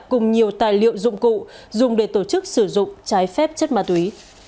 cùng nhiều tài liệu dụng cụ dùng để tổ chức sử dụng trái phép chất ma túy